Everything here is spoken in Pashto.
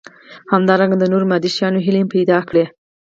همدارنګه د نورو مادي شيانو هيلې هم پيدا کړي.